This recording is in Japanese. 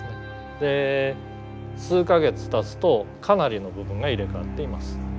で数か月たつとかなりの部分が入れ代わっています。